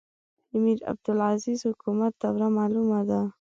د میرعبدالعزیز حکومت دوره معلومه ده.